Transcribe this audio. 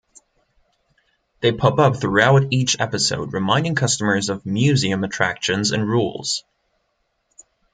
They pop up throughout each episode reminding customers of museum attractions and rules.